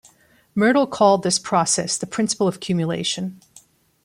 Myrdal called this process the "principle of cumulation".